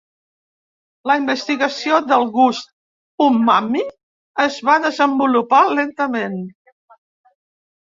La investigació del gust umami es va desenvolupar lentament.